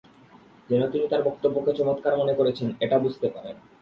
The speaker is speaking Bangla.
যেন তিনি তার বক্তব্যকে চমৎকার মনে করেছেন এটা বুঝতে পারেন।